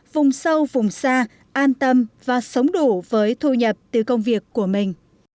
vùng sâu vùng xa an tâm và sống đủ với thu nhập từ công việc của mình